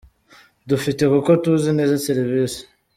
dufite kuko tuzi neza serivisi.